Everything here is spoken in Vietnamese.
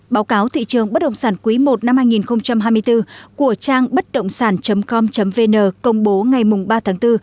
báo cáo thị trường bất động sản quý i năm hai nghìn hai mươi bốn của trang bấtđộngsản com vn công bố ngày ba tháng bốn